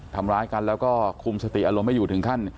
ทำร้ายกันแล้วก็คุมสติอารมณ์ไม่อยู่ถึงขั้น